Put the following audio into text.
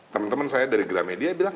teman teman saya dari gramedia bilang